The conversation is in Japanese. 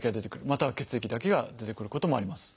または血液だけが出てくることもあります。